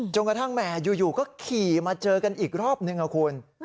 กระทั่งแหมอยู่ก็ขี่มาเจอกันอีกรอบนึงนะคุณ